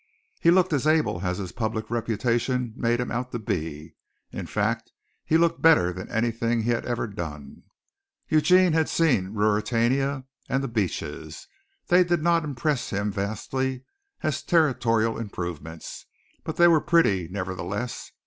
He looked as able as his public reputation made him out to be in fact, he looked better than anything he had ever done. Eugene had seen Ruritania and The Beeches. They did not impress him vastly as territorial improvements, but they were pretty, nevertheless.